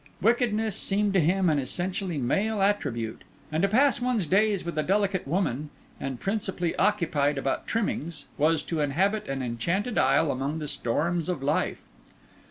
Wickedness seemed to him an essentially male attribute, and to pass one's days with a delicate woman, and principally occupied about trimmings, was to inhabit an enchanted isle among the storms of life.